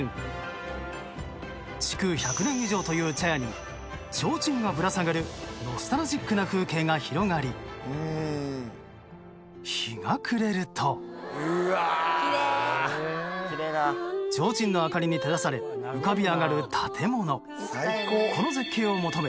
築１００年以上という茶屋に提灯がぶら下がるノスタルジックな風景が広がり日が暮れると提灯の明かりに照らされ浮かび上がる建物この絶景を求め